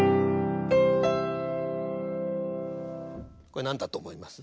これ何だと思います？